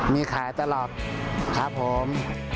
มีขายตลอดครับผม